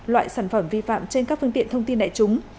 loại sản phẩm vi phạm trên các phương tiện thông tin đại chúng